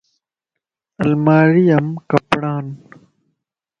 الماري ام ڪپڙا ان